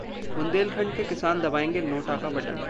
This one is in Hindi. बुंदेलखंड के किसान दबाएंगे 'नोटा' का बटन